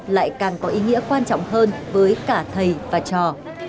lại càng có ý nghĩa quan trọng hơn với cả thầy và trò